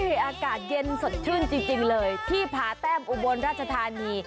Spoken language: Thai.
อากาศเย็นสดชื่นจริงเลยที่ผาแต้มอุบลราชธานี